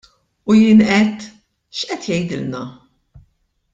U jien għedt: X'qed jgħidilna?